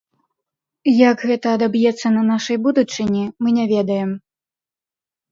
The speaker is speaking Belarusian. Як гэта адаб'ецца на нашай будучыні, мы не ведаем.